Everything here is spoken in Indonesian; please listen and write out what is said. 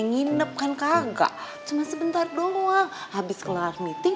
nomernya luar biasa banget